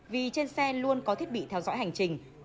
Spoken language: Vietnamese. vì trên xe luôn có thiết bị theo dõi hành trình